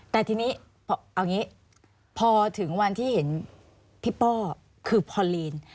แต่ทีนี้พอถึงวันที่เห็นพี่ป้อคือพอลีน